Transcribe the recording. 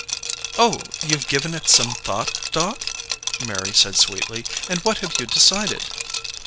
"Oh, you've given it some thought, Doc?" Mary said sweetly. "And what have you decided?"